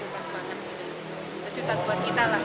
kejutan buat kita lah